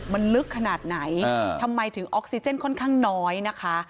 มันลึกขนาดไหนทำไมถึงออกซิเจนค่อนข้างน้อยนะคะ